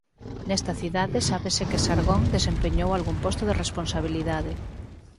Nesta cidade sábese que Sargón desempeñou algún posto de responsabilidade.